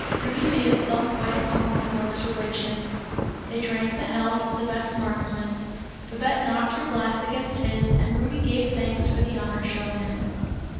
Rudy made himself quite at home with the miller's relations; they drank the health of the best marksman. Babette knocked her glass against his and Rudy gave thanks for the honour shown him.